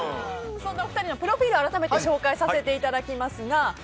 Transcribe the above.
そんなお二人のプロフィールを改めて紹介させていただきます。